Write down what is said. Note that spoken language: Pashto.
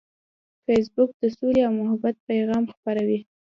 فېسبوک د سولې او محبت پیغام خپروي